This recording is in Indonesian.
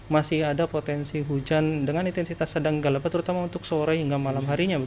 masih ada potensi hujan dengan intensitas sedang gelap terutama untuk sore hingga malam harinya